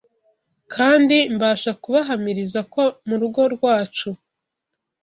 kandi mbasha kubahamiriza ko mu rugo rwacu